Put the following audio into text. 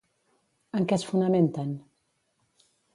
En què es fonamenten?